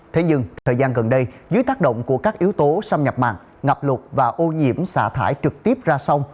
thế nhưng thời gian gần đây dưới tác động của các yếu tố xâm nhập mặn ngập lụt và ô nhiễm xả thải trực tiếp ra sông